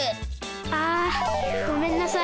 あごめんなさい。